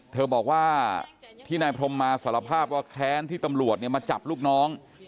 เธอบอกว่าที่นายพรมมาสารภาพว่าแค้นที่ตำรวจมาจับลูกน้อง